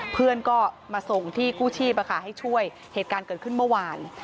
เพื่อนก็มาส่งที่กู้ชีพให้ช่วยเหตุการณ์เกิดขึ้นเมื่อวาน